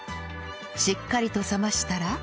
しっかりと冷ましたら